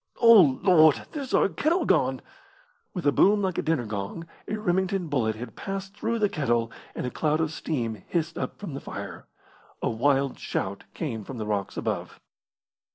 O Lord, there's our kettle gone!" With a boom like a dinner gong a Remington bullet had passed through the kettle, and a cloud of steam hissed up from the fire. A wild shout came from the rocks above.